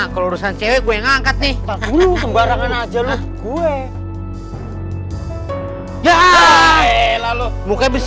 kalau urusan cewek gue ngangkat nih kembarangan aja gue ya lalu buka besi